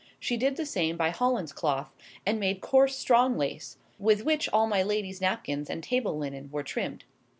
She did the same by Hollands cloth, and made coarse strong lace, with which all my lady's napkins and table linen were trimmed.